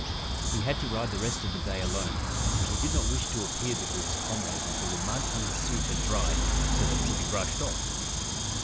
He had to ride the rest of the day alone, for he did not wish to appear before his comrades until the mud on his suit had dried so that it could be brushed off.